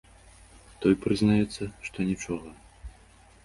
Той прызнаецца, што нічога.